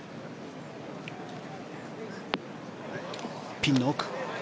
ピンの奥。